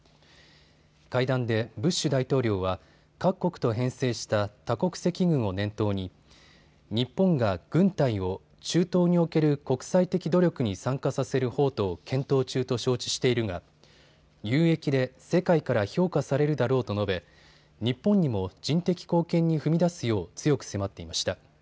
会談でブッシュ大統領は各国と編成した多国籍軍を念頭に日本が軍隊を中東における国際的努力に参加させる方途を検討中と承知しているが有益で世界から評価されるだろうと述べ日本にも人的貢献に踏み出すよう強く迫っていました。